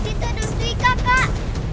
tadi itu ada suika pak